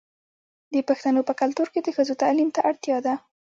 د پښتنو په کلتور کې د ښځو تعلیم ته اړتیا ده.